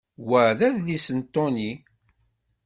Wa d adlis n Tony.